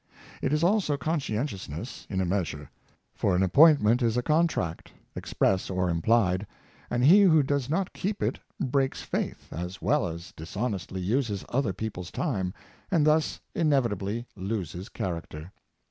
It is also conscientiousness, in a measure; for an appointment is a contract, express or implied, and he who does not keep it breaks faith, as well as dishonest ly uses other people's time, and thus inevitably loses character.